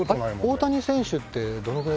大谷選手ってどのぐらいでしたっけ？